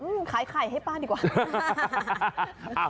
ขายไข่ให้ป้าดีกว่า